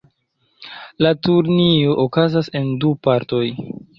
La turniro okazas en du partoj.